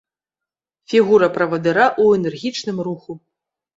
Фігура правадыра ў энергічным руху.